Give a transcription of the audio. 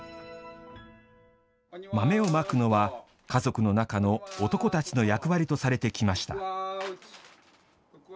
豆をまくのは家族の中の男たちの役割とされてきました。